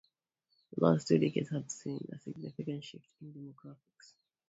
The last two decades have seen a significant shift in demographics.